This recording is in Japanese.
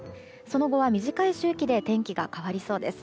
その後は短い周期で天気が変わりそうです。